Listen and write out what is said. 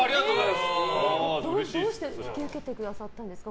どうして引き受けてくださったんですか？